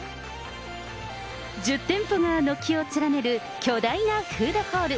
１０店舗が軒を連ねる巨大なフードホール。